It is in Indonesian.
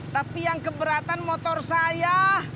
tapi yang keberatan motor saya